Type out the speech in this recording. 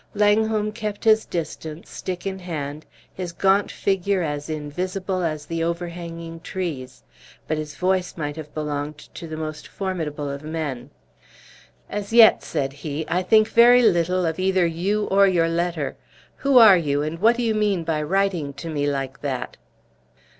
Langholm kept his distance, stick in hand, his gaunt figure as invisible as the overhanging trees; but his voice might have belonged to the most formidable of men. "As yet," said he, sternly, "I think very little of either you or your letter. Who are you, and what do you mean by writing to me like that?"